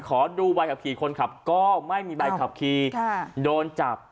ขอดูใบขับขี่คนขับก็ไม่มีใบขับขี่โดนจับ